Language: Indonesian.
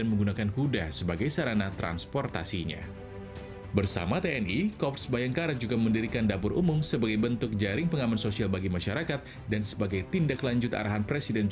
menyiapkan sarana dan petulis kesehatan hingga pendampingan terhadap keluarga pasien